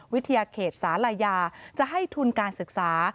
วิทยาเขตศาลายาจะให้ทุนการศึกษา